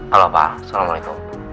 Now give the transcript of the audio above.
halo pak assalamualaikum